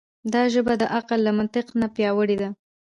دا ژبه د عقل له منطق نه پیاوړې ده.